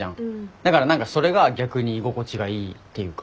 だから何かそれが逆に居心地がいいっていうか。